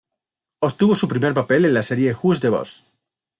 Obtuvo su primer papel en la serie "Who's the Boss?